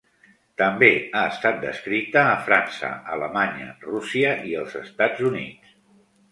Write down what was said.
També ha estat descrita a França, Alemanya, Rússia i els Estats Units.